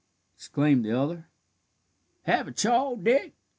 exclaimed the other. "Have a chaw, Dick?"